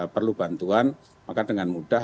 perlu bantuan maka dengan mudah